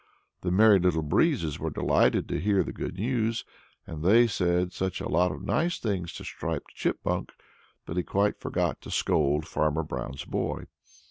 The Merry Little Breezes were delighted to hear the good news, and they said such a lot of nice things to Striped Chipmunk that he quite forgot to scold Farmer Brown's boy.